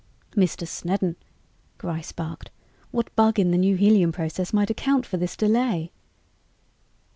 "Mr. Snedden!" Gryce barked. "What bug in the new helium process might account for this delay?"